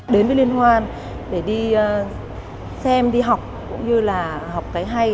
đến với liên hoan để đi xem đi học cũng như là học cái hay